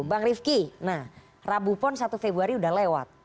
bang rifki nah rabupon satu februari udah lewat